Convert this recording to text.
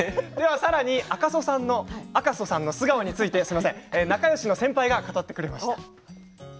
さらに、赤楚さんの素顔について仲よしの先輩が語ってくれました。